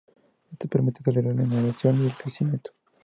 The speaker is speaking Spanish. Esto permite acelerar la innovación y el crecimiento.